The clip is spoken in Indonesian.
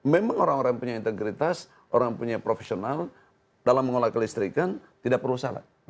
memang orang orang punya integritas orang punya profesional dalam mengelola kelistrikan tidak perlu salah